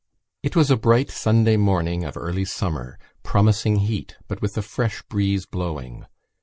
It was a bright Sunday morning of early summer, promising heat, but with a fresh breeze blowing.